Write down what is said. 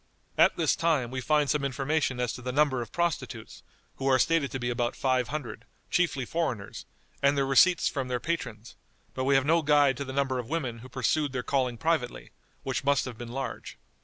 At this time we find some information as to the number of prostitutes, who are stated to be about five hundred, chiefly foreigners, and their receipts from their patrons, but we have no guide to the number of women who pursued their calling privately, which must have been large.